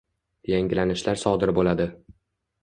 yangilanishlar sodir bo’ladi.